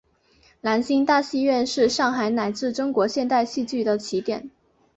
兰心大戏院是上海乃至中国现代戏剧的起点。